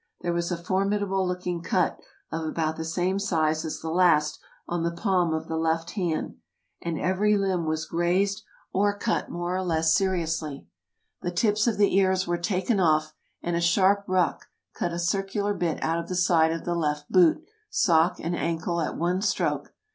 There was a for midable looking cut, of about the same size as the last, on the palm of the left hand, and every limb was grazed or cut 220 TRAVELERS AND EXPLORERS more or less seriously. The tips of the ears were taken off, "and a sharp rock cut a circular bit out of the side of the left boot, sock, and ankle at one stroke.